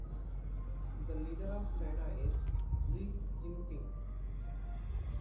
The leader of China is Xi-Jinping.